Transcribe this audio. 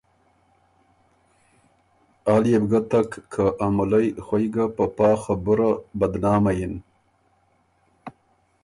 آ ليې بو ګۀ تک که ا مُلئ خوئ ګه په پا خبُره بدنامئ اِن